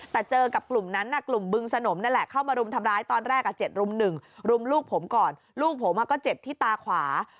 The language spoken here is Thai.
แต่เจอกับกลุ่มนั้นกลุ่มบึงสนมนั่นแหละเข้ามารุมทำร้ายตอนแรก๗รุม๑รุมลูกผมก่อนลูกผมก็เจ็บที่ตาขวา